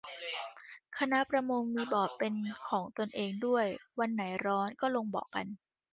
คณะประมง มีบ่อเป็นของตนเองด้วย วันไหนร้อนก็ลงบ่อกัน